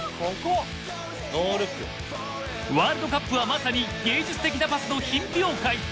ワールドカップはまさに芸術的なパスの品評会！